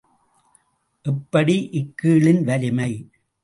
எப்படி இக்கீழின் வலிமை?